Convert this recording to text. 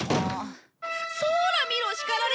そら見ろ叱られた！